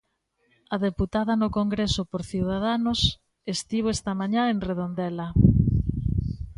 A deputada no Congreso por Ciudadanos estivo esta mañá en Redondela.